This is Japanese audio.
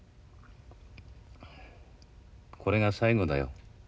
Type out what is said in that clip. これが最後だよ。